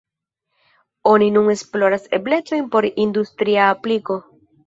Oni nun esploras eblecojn por industria apliko.